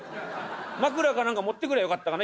枕か何か持ってくりゃよかったかな。